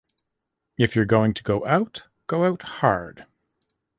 If you're going to go out, go out hard.